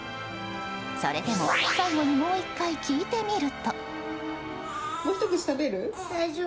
それでも、最後にもう１回聞いてみると。